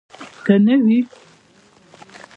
که نه وي.